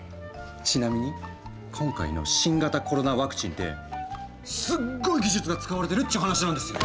ちなみに今回の新型コロナワクチンってすっごい技術が使われてるっちゅう話なんですよ！